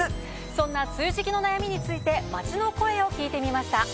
そんな梅雨時期の悩みについて街の声を聞いてみました。